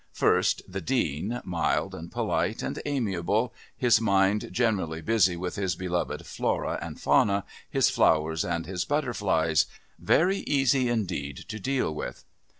First the Dean, mild and polite and amiable, his mind generally busy with his beloved flora and fauna, his flowers and his butterflies, very easy indeed to deal with.